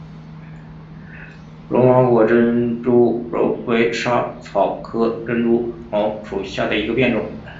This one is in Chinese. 柔毛果珍珠茅为莎草科珍珠茅属下的一个变种。